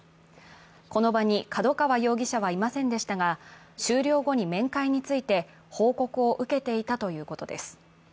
この場に角川容疑者はいませんでしたが、終了後に面会について報告を受けていたということです。